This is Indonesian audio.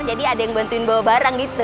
jadi ada yang bantuin bawa barang gitu